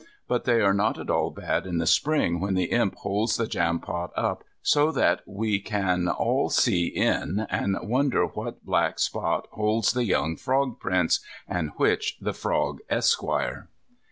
But they are not at all bad in the spring when the Imp holds the jampot up so that we can all see in, and wonder which black spot holds the young frog prince, and which the frog esquire.